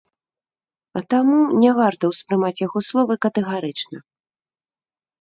А таму, не варта ўспрымаць яго словы катэгарычна!